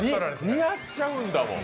似合っちゃうんだもん。